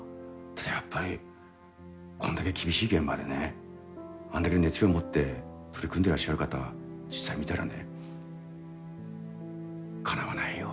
ただやっぱりこんだけ厳しい現場でねあんだけ熱量持って取り組んでらっしゃる方実際見たらねかなわないよ。